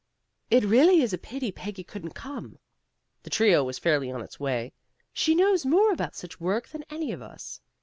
"It really is a pity Peggy couldn't come." The trio was fairly on its way. "She knows more about such work than any of us."